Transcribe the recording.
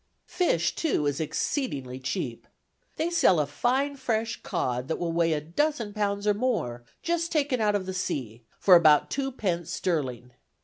"Fish, too, is exceedingly cheap. They sell a fine fresh cod that will weigh a dozen pounds or more, just taken out of the sea, for about twopence sterling.